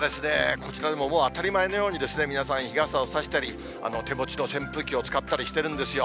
こちらでももう当たり前のように、皆さん、日傘を差したり、手持ちの扇風機を使ったりしてるんですよ。